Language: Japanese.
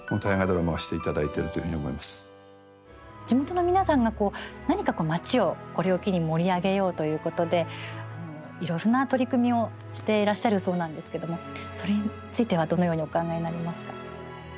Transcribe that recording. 地元の皆さんが何か町を、これを機に盛り上げようということでいろいろな取り組みをしていらっしゃるそうなんですけれどそれについてはどのようにお考えになりますか。